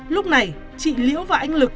lúc này chị liễu và anh lực